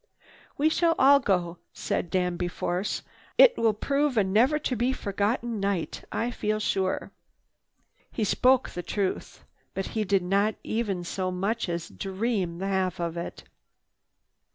"We shall all go," said Danby Force. "It will prove a never to be forgotten night, I feel sure." He spoke the truth, but he did not even so much as dream the half of it.